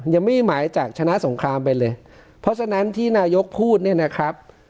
ยังไม่มีหมายจากชนะสงครามไปเลยเพราะฉะนั้นที่นายกพูดเนี่ยนะครับ